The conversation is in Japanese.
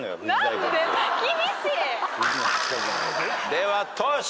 ではトシ。